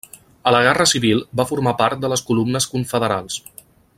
A la guerra civil va formar part de les columnes confederals.